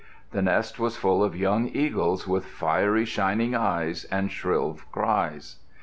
The nest was full of young eagles with fiery, shining eyes and shrill cries.